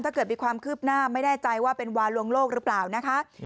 ถ้าเกิดมีความคืบหน้าไม่แน่ใจว่าเป็นวาลวงโลกหรือเปล่านะคะ